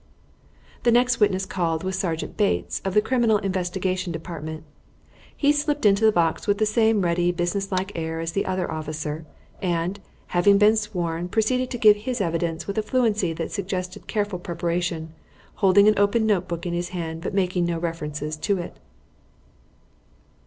The next witness called was Sergeant Bates, of the Criminal Investigation Department. He stepped into the box with the same ready, business like air as the other officer, and, having been sworn, proceeded to give his evidence with a fluency that suggested careful preparation, holding an open notebook in his hand but making no references to it.